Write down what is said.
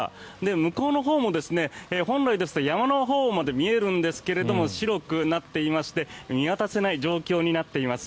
向こうのほうも本来ですと山のほうまで見えるんですが白くなっていまして見渡せない状況になっています。